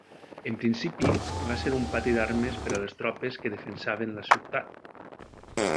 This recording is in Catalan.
En principi va ser un pati d'armes per a les tropes que defensaven la ciutat.